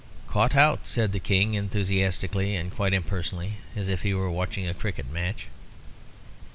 "Caught out!" said the King, enthusiastically and quite impersonally, as if he were watching a cricket match.